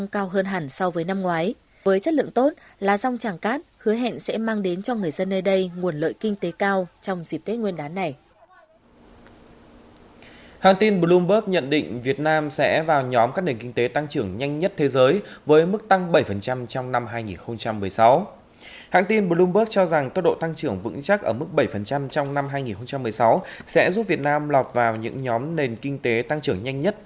chắc ở mức bảy trong năm hai nghìn một mươi sáu sẽ giúp việt nam lọt vào những nhóm nền kinh tế tăng trưởng nhanh nhất